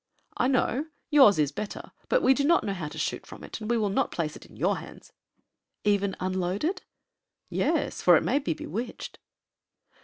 "I know. Yours is better, but we do not know how to shoot from it, and we will not place it in your hands." "Even unloaded?" "Yes, for it may be bewitched."